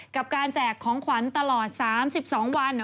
กับการแจกของขวัญตลอด๓๒วัน